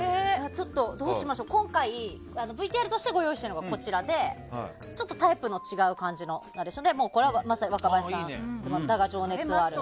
今回ＶＴＲとしてご用意したのがこちらでタイプの違う感じのナレーションでまさに若林さんの「だが、情熱はある」。